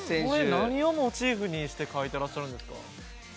何をモチーフにして描いてらっしゃるんですか？